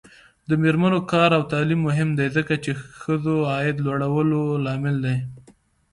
د میرمنو کار او تعلیم مهم دی ځکه چې ښځو عاید لوړولو لامل دی.